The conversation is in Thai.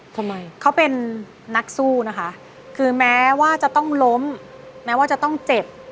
ทำไมเขาเป็นนักสู้นะคะคือแม้ว่าจะต้องล้มแม้ว่าจะต้องเจ็บ